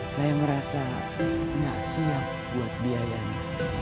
saya merasa nggak siap buat biayanya